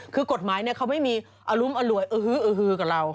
คือกฎหมายเขาไม่มีอรุมอร่วยอื้อฮือกับเรา